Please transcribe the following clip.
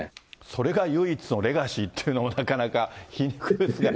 それが唯一のレガシーっていうのも、なかなか皮肉ですが。